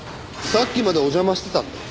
さっきまでお邪魔してたんで。